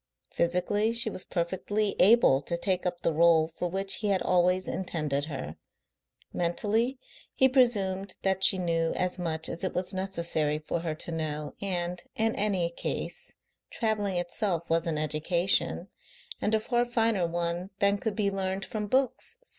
Physically she was perfectly able to take up the role for which he had always intended her; mentally he presumed that she knew as much as it was necessary for her to know, and, in any case, travelling itself was an education, and a far finer one than could be learned from books.